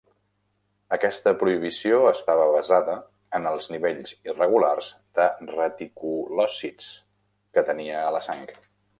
Aquesta prohibició estava basada en els nivells irregulars de reticulòcits que tenia a la sang.